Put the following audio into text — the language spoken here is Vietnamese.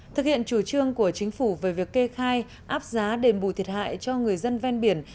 thực hiện chủ trương của chính phủ về việc kê khai áp giá đền bù thiệt hại cho người dân ven biển